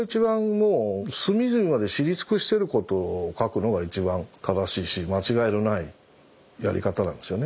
もう隅々まで知り尽くしてることを書くのが一番正しいし間違いのないやり方なんですよね。